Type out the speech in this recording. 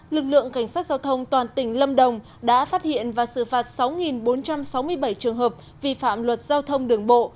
lực lượng cảnh sát giao thông toàn tỉnh lâm đồng đã phát hiện và xử phạt sáu bốn trăm sáu mươi bảy trường hợp vi phạm luật giao thông đường bộ